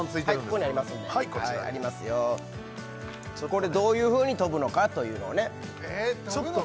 こちらこれどういうふうに飛ぶのかというのをねえ飛ぶのか？